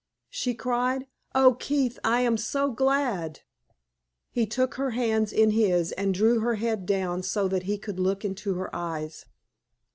she cried. "Oh, Keith! I am so glad!" He took her hands in his and drew her head down so that he could look into her eyes.